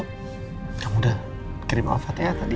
kamu udah kirim maaf hati hati tadi